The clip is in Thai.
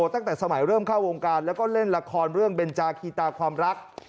ตั้งแต่สมัยเริ่มเข้าวงการแล้วก็เล่นละครเรื่องเบนจาคีตาความรัก